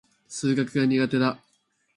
数学が苦手だ。